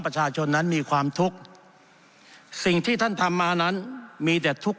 ประชาชนนั้นมีความทุกข์สิ่งที่ท่านทำมานั้นมีแต่ทุกข์